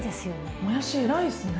もやし偉いっすね。